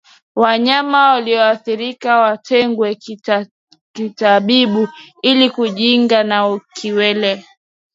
Wanyama walioathirika watengwe kitabibu ili kujikinga na kiwele